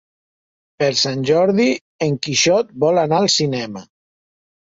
Per Sant Jordi en Quixot vol anar al cinema.